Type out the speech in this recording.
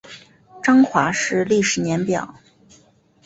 彰化市历史年表